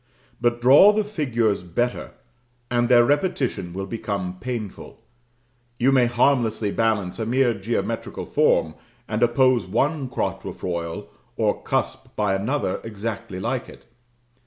But draw the figures better, and their repetition will become painful. You may harmlessly balance a mere geometrical form, and oppose one quatrefoil or cusp by another exactly like it.